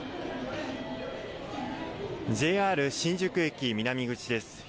ＪＲ新宿駅南口です。